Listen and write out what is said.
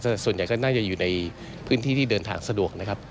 ส่วนใหญ่ก็น่าจะอยู่ในพื้นที่ที่เดินทางสะดวกนะครับ